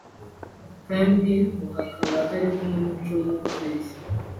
kandi ngo hakaba hariho n’umuco wo kubeshya”